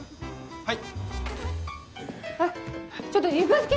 はい。